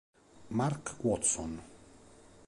Mark Watson